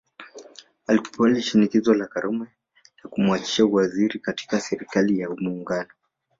Alikubali shinikizo la Karume la kumwachisha uwaziri katika Serikali ya Muungano